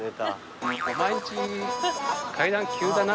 お前んち階段急だな。